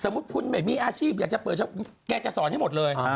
มุติคุณไม่มีอาชีพอยากจะเปิดแกจะสอนให้หมดเลย